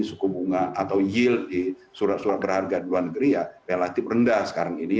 suku bunga atau yield di surat surat berharga di luar negeri ya relatif rendah sekarang ini